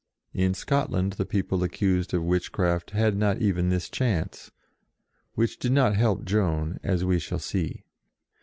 In Scotland the people accused of witchcraft had not even this chance, which did not help Joan, as we shall see.